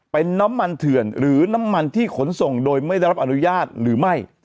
เป็นน้ำมันเถื่อนหรือน้ำมันที่ขนส่งโดยไม่ได้รับอนุญาตหรือไม่